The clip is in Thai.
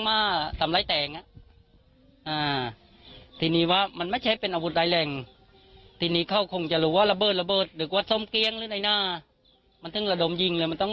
พอถึงเข้าลิฟต์ระดมยิงเลยนะมันอย่างนั้น